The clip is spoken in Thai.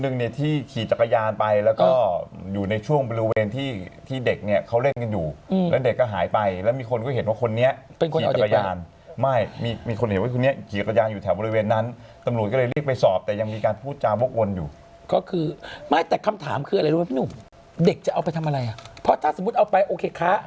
หนึ่งเนี่ยที่ขี่จักรยานไปแล้วก็อยู่ในช่วงบริเวณที่ที่เด็กเนี่ยเขาเล่นกันอยู่แล้วเด็กก็หายไปแล้วมีคนก็เห็นว่าคนนี้เป็นคนขี่จักรยานไม่มีมีคนเห็นว่าคนนี้ขี่จักรยานอยู่แถวบริเวณนั้นตำรวจก็เลยเรียกไปสอบแต่ยังมีการพูดจาวกวนอยู่ก็คือไม่แต่คำถามคืออะไรรู้ไหมพี่หนุ่มเด็กจะเอาไปทำอะไรอ่ะเพราะถ้าสมมุติเอาไปโอเคคะ